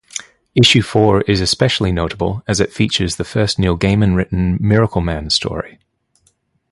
Issue four is especially notable as it features the first Neil Gaiman-written "Miracleman" story.